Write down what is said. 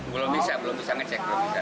belum bisa belum bisa ngecek